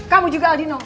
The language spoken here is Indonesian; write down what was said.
kamu juga abie